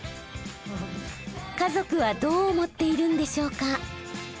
家族はどう思っているんでしょうか？